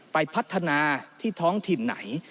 ไปพัฒนาที่ท้องถิ่นไหน